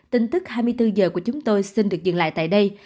tin tức hai mươi bốn h của chúng tôi xin được dừng lại tại đây